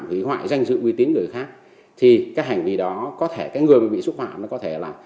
hủy hoại danh dự uy tín người khác thì cái hành vi đó có thể cái người bị xúc phạm nó có thể là